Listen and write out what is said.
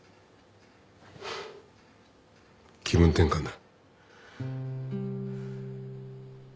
気分転換だ。